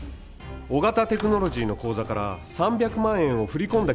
オガタテクノロジーの口座から３００万円を振り込んだ